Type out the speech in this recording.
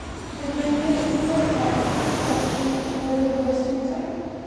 The grenade is of plastic construction and is a bursting type.